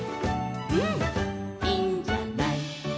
「うん、いいんじゃない」